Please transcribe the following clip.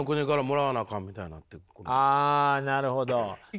あなるほど。